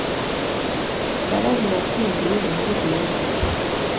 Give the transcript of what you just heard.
Ndabaza uwashyinguwe muri iyo mva